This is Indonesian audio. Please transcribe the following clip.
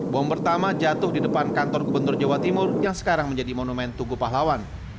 bom pertama jatuh di depan kantor gubernur jawa timur yang sekarang menjadi monumen tugu pahlawan